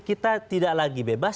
kita tidak lagi bebas